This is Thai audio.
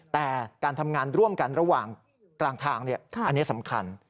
แต่การทำงานร่วมกันระหว่างกลางทางอันนี้สำคัญ